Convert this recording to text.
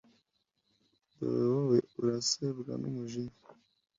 dore wowe urasebwa n'umujinya